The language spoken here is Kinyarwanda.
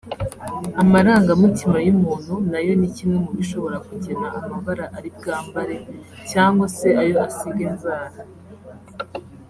Amarangamutima y’umuntu nayo ni kimwe mu bishobora kugena amabara ari bwambare cyangwa se ayo asiga inzara